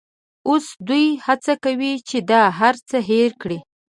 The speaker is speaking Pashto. اوس دوی هڅه کوي چې دا هرڅه هېر کړي.